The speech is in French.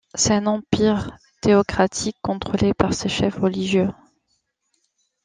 C'est un empire théocratique contrôlé par ses chefs religieux.